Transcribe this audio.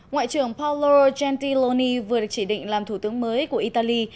ngoại trưởng paolo jentiloni vừa được chỉ định làm thủ tướng mới của italy